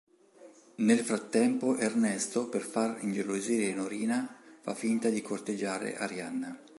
Nel frattempo Ernesto, per far ingelosire Norina, fa finta di corteggiare Arianna.